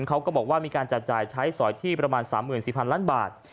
เขาก็บอกว่ามีการจับจ่ายใช้สอยที่ประมาณ๓๔๐๐ล้านบาท